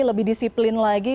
lebih disiplin lagi